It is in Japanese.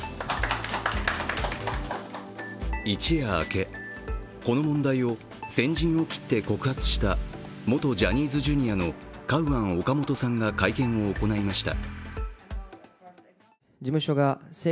一夜明け、この問題を先陣を切って告発した元ジャニーズＪｒ．のカウアン・オカモトさんが会見を行いました。